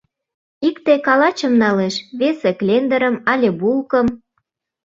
Икте калачым налеш, весе — клендырым але булкым.